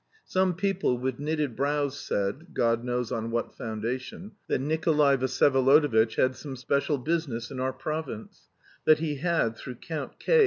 Some people, with knitted brows, said, God knows on what foundation, that Nikolay Vsyevolodovitch had some special business in our province, that he had, through Count K.